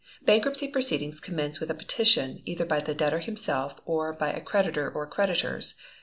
Bankruptcy proceedings commence with a petition, either by the debtor himself or by a creditor or creditors.